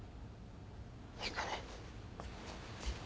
行くね。